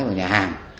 vào nhà hàng